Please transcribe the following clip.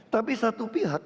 tapi satu pihak